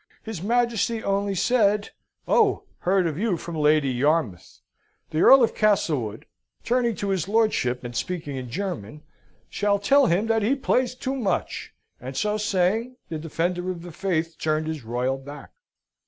His Majesty only said, "Oh, heard of you from Lady Yarmouth. The Earl of Castlewood" (turning to his lordship, and speaking in German) "shall tell him that he plays too much!" And so saying, the Defender of the Faith turned his royal back.